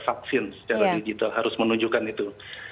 vaksin secara digital harus menunjukkan itu